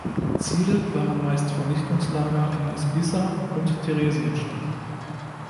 Ziele waren meist Vernichtungslager in Izbica und Theresienstadt.